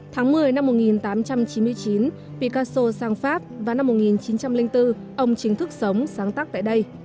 tháng một mươi năm một nghìn tám trăm chín mươi chín pikaso sang pháp vào năm một nghìn chín trăm linh bốn ông chính thức sống sáng tác tại đây